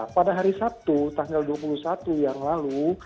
pada hari sabtu tanggal dua puluh satu yang lalu